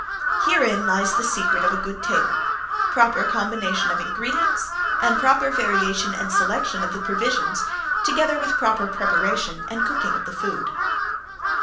Herein lies the secret of a good table proper combination of ingredients and proper variation and selection of the provisions together with proper preparation and cooking of the food.